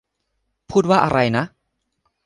พูดว่าอะไรนะ ?